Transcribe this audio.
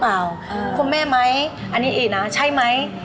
เขานงไหมอันนี้เอนะใช่ไหม